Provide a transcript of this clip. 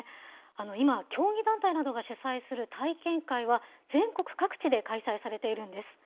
今、競技団体などが主催する体験会は、全国各地で開催されているんです。